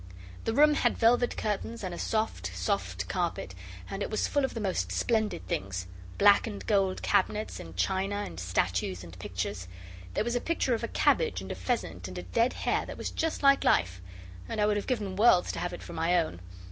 The room had velvet curtains and a soft, soft carpet, and it was full of the most splendid things. Black and gold cabinets, and china, and statues, and pictures. There was a picture of a cabbage and a pheasant and a dead hare that was just like life, and I would have given worlds to have it for my own.